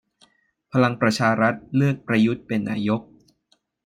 พลังประชารัฐเลือกประยุทธเป็นนายก